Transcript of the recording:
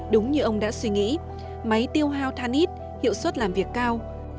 đúng như ông đã suy nghĩ máy tiêu hao than ít hiệu suất làm việc cao